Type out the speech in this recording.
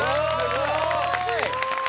すごい！